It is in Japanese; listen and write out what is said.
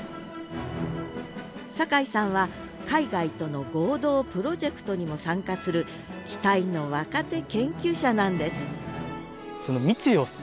酒井さんは海外との合同プロジェクトにも参加する期待の若手研究者なんです